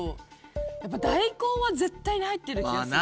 やっぱ大根は絶対に入ってる気がする。